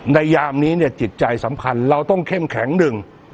ยามนี้เนี่ยจิตใจสำคัญเราต้องเข้มแข็งหนึ่ง